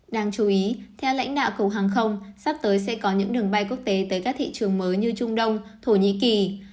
đáng chú ý theo lãnh đạo cục hàng không sắp tới sẽ có những đường bay quốc tế tới các thị trường mới như trung đông thổ nhĩ kỳ